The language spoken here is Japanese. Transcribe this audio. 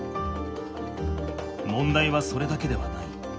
問題はそれだけではない。